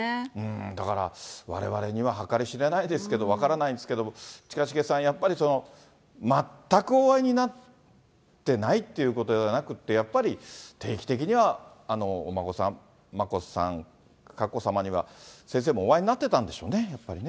だから、われわれには計り知れないですけど、分からないんですけれども、近重さん、やっぱり全くお会いになってないっていうことではなくて、やっぱり定期的にはお孫さん、眞子さん、佳子さまには、先生もお会いになってたんでしょうね、やっぱりね。